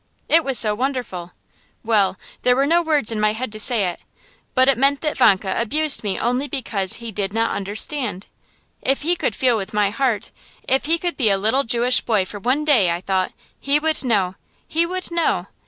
It was so wonderful Well, there were no words in my head to say it, but it meant that Vanka abused me only because he did not understand. If he could feel with my heart, if he could be a little Jewish boy for one day, I thought, he would know he would know.